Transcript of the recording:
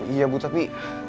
iya bu tapi